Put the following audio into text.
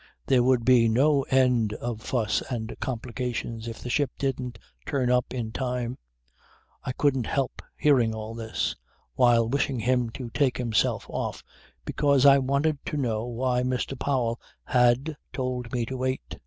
There would be no end of fuss and complications if the ship didn't turn up in time ... I couldn't help hearing all this, while wishing him to take himself off, because I wanted to know why Mr. Powell had told me to wait.